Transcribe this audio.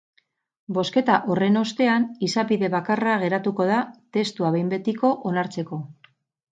Bozketa horren ostean, izapide bakarra geratuko da testua behin betiko onartzeko.